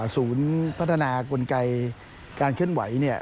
ศูนย์พัฒนากลไกการเคลื่อนไหวเนี่ย